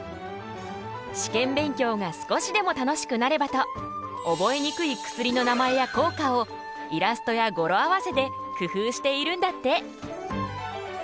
試験勉強が少しでも楽しくなればと覚えにくい薬の名前や効果をイラストや語呂合わせで工夫しているんだって！